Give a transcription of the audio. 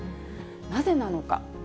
なぜなのか。